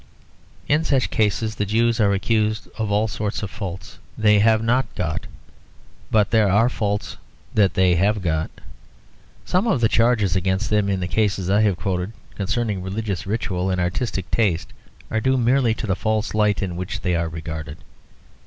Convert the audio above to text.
In such cases the Jews are accused of all sorts of faults they have not got; but there are faults that they have got. Some of the charges against them, as in the cases I have quoted concerning religious ritual and artistic taste, are due merely to the false light in which they are regarded.